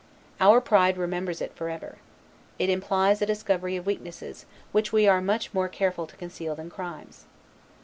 Our pride remembers it forever. It implies a discovery of weaknesses, which we are much more careful to conceal than crimes.